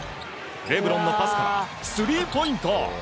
レブロンのパスからスリーポイント。